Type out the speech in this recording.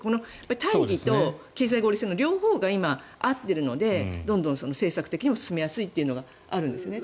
大義と経済合理性の両方が合っているのでどんどん政策的にも進めやすいというのがあるんですね。